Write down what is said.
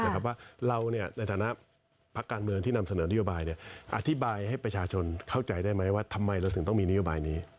ว่าเราในฐานะพักการเมืองที่นำเสนอนโยบายอธิบายให้ประชาชนเข้าใจได้ไหมว่าทำไมเราถึงต้องมีนโยบายนี้